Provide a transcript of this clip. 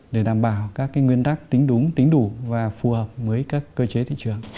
để đảm bảo các nguyên tắc tính đúng tính đủ và phù hợp với các cơ chế thị trường